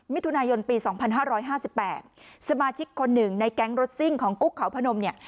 มิถุนายนปี๒๕๕๘สมาชิกคนหนึ่งในแก๊งรถซิ่งของกุ๊กเขาพนมเนี่ย